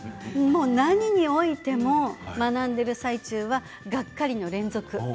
何においても、学んでいる最中はがっかりの連続。